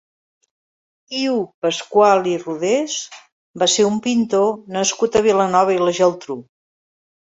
Iu Pascual i Rodés va ser un pintor nascut a Vilanova i la Geltrú.